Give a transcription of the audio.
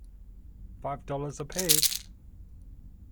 Five dollars a page.